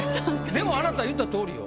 でもあなた言ったとおりよ。